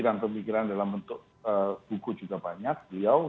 dan juga di dalam bentuk buku juga banyak